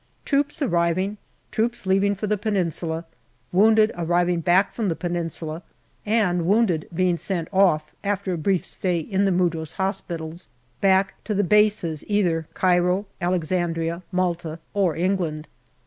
Troops arriving, troops leaving for the Peninsula, wounded arriving back from the Peninsula and wounded being sent off, after a brief stay in the Mudros hospitals, back to the bases, either Cairo, Alexandria, Malta, or England.